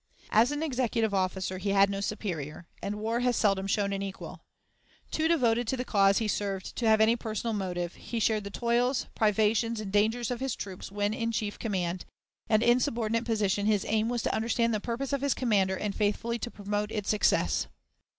As an executive officer he had no superior, and war has seldom shown an equal. Too devoted to the cause he served to have any personal motive, he shared the toils, privations, and dangers of his troops when in chief command; and in subordinate position his aim was to understand the purpose of his commander and faithfully to promote its success.